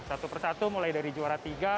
satu persatu mulai dari juara tiga